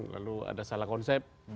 lalu ada salah konsep